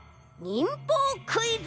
忍法クイズ？